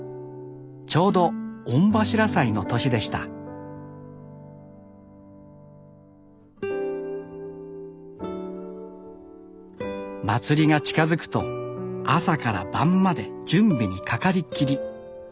ちょうど御柱祭の年でした祭りが近づくと朝から晩まで準備にかかりっきり。